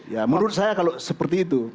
ya menurut saya kalau seperti itu